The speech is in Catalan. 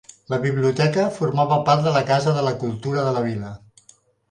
La biblioteca formava part de la Casa de la Cultura de la Vila.